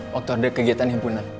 waktu ada kegiatan yang punan